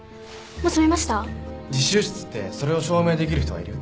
自習室ってそれを証明できる人はいる？